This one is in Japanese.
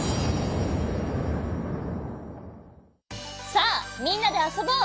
さあみんなであそぼう！